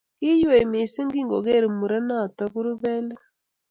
ki iywei mising kingogeer murenoto korubei let